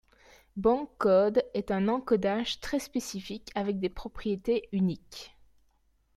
Bencode est un encodage très spécifique avec des propriétés uniques.